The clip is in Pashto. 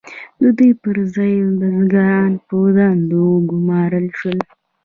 د دوی پر ځای بزګران په دندو وګمارل شول.